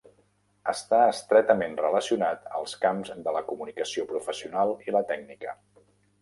Està estretament relacionat als camps de la comunicació professional i la tècnica.